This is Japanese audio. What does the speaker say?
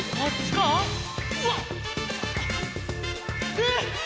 えっ！